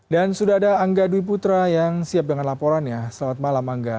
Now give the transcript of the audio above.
dan sudah ada angga dwi putra yang siap dengan laporannya selamat malam angga